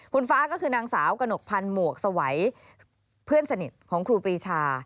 คุณฟ้าก็คือนางสาวกระหนกพันธ์หมวกสวัยเพื่อนสนิทของครูปรีชา